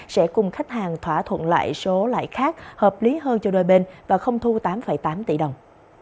sẽ cùng khách hàng thỏa thuận lại số lại khác hợp lý hơn cho đôi bên và không thu tám tám tỷ đồng